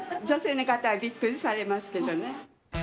女性の方はびっくりされますけどね。